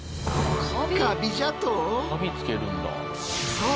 そう！